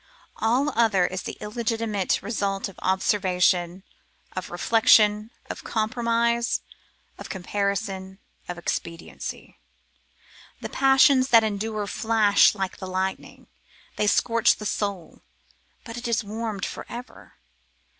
All other is the illegitimate result of observation, of reflection, of compromise, of comparison, of expediency. The passions that endure flash like the lightning: they scorch the soul, but it is warmed for ever.